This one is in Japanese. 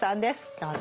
どうぞ。